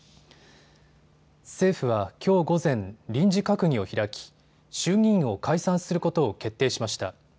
政府はきょう午前、臨時閣議を開き衆議院を解散することを決定しました。